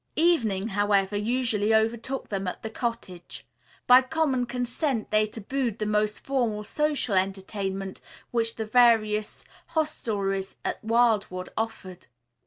Evening, however, usually overtook them at the cottage. By common consent they tabooed the more formal social entertainment which the various hostelries at Wildwood offered.